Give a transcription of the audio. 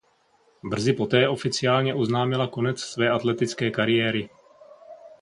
Brzy poté oficiálně oznámila konec své atletické kariéry.